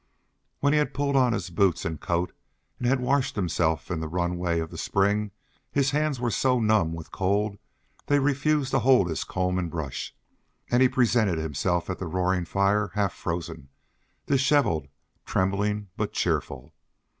When he had pulled on his boots and coat, and had washed himself in the runway of the spring, his hands were so numb with cold they refused to hold his comb and brush; and he presented himself at the roaring fire half frozen, dishevelled, trembling, but cheerful.